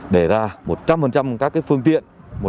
để ra một trăm linh các phương tiện